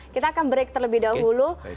kita akan break terlebih dahulu